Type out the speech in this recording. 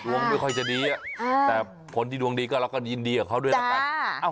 ดวงไม่ค่อยจะดีแต่คนที่ดวงดีก็เราก็ยินดีกับเขาด้วยละกัน